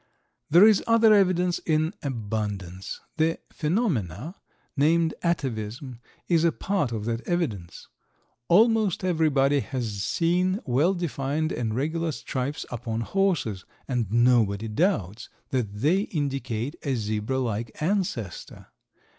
There is other evidence in abundance. The phenomena named atavism is a part of that evidence. Almost everybody has seen well defined and regular stripes upon horses, and nobody doubts that they indicate a zebra like ancestor.